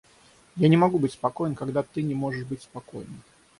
Я не могу быть спокоен, когда ты не можешь быть спокойна...